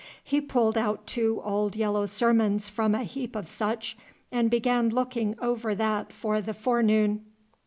He pulled out two old yellow sermons from a heap of such, and began looking over that for the forenoon.